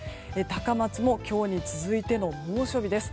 高松も今日に続いての猛暑日です。